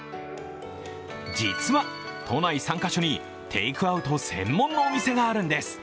実は都内３カ所にテイクアウト専門のお店があるんです。